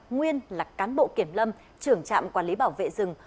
nguyên là cán bộ kiểm lâm trưởng trạm quản lý bảo vệ rừng